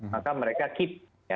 maka mereka keep